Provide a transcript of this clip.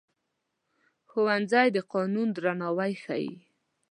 ښوونځی د قانون درناوی ښيي